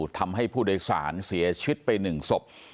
ทำให้ผู้โดยสารเสียชีวิตไป๑ศพ